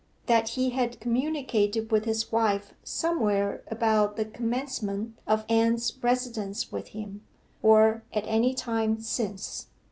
that he had communicated with his wife somewhere about the commencement of Anne's residence with him, or at any time since?